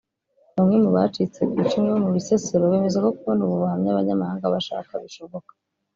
Bamwe mu bacitse ku icumu bo mu Bisesero bemeza ko kubona ubu buhamya abanyamahanga bashaka bishoboka